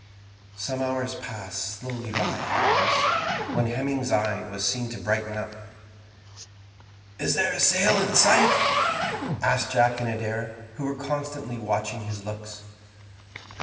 Some hours passed slowly by after this, when Hemming's eye was seen to brighten up. "Is there a sail in sight?" asked Jack and Adair, who were constantly watching his looks.